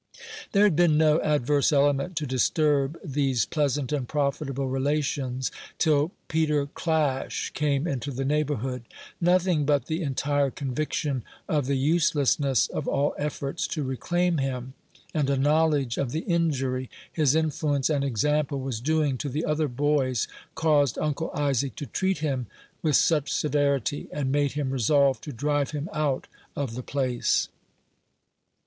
There had been no adverse element to disturb these pleasant and profitable relations, till Peter Clash came into the neighborhood. Nothing but the entire conviction of the uselessness of all efforts to reclaim him, and a knowledge of the injury his influence and example was doing to the other boys, caused Uncle Isaac to treat him with such severity, and made him resolve to drive him out of the place.